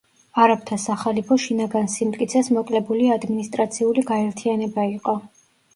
არაბთა სახალიფო შინაგან სიმტკიცეს მოკლებული ადმინისტრაციული გაერთიანება იყო.